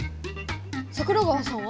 桜川さんは？